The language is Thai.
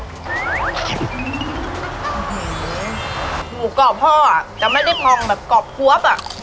หมูกรอบพ่ออ่ะจะไม่ได้พองแบบกรอบควบอ่ะ